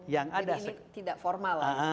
jadi ini tidak formal